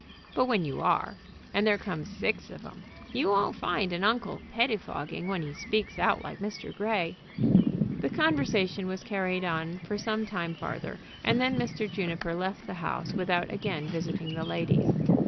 "But when you are, and there comes six of 'em, you won't find an uncle pettifogging when he speaks out like Mr. Grey." The conversation was carried on for some time farther, and then Mr. Juniper left the house without again visiting the ladies.